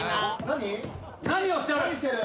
何してる？